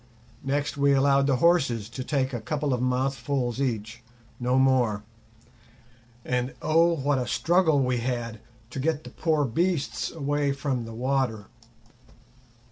Next we allowed the horses to take a couple of mouthfuls each—no more; and oh, what a struggle we had to get the poor beasts away from the water!